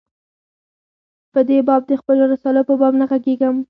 په دې باب د خپلو رسالو په باب نه ږغېږم.